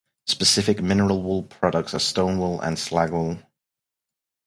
Specific mineral wool products are "stone wool" and "slag wool".